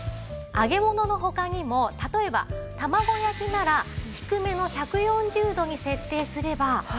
揚げ物の他にも例えば卵焼きなら低めの１４０度に設定すればフワフワにできるんです。